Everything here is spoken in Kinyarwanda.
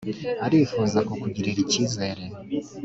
arifuza kukugirira icyizere